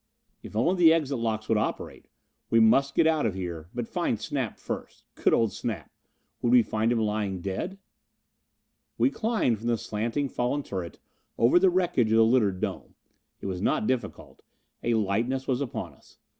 If only the exit locks would operate! We must get out of here, but find Snap first. Good old Snap! Would we find him lying dead? We climbed from the slanting, fallen turret, over the wreckage of the littered deck. It was not difficult, a lightness was upon us.